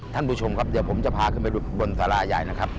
ท่านผู้ชมครับเดี๋ยวผมจะพาขึ้นไปบนสาราใหญ่นะครับ